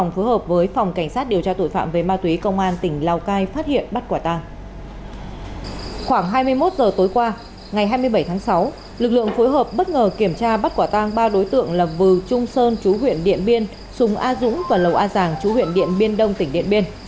khoảng hai mươi một h tối qua ngày hai mươi bảy tháng sáu lực lượng phối hợp bất ngờ kiểm tra bắt quả tang ba đối tượng là vừ trung sơn chú huyện điện biên sùng a dũng và lầu a giàng chú huyện điện biên đông tỉnh điện biên